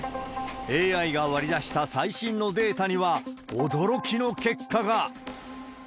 ＡＩが割り出した最新のデータには、驚きの結果が。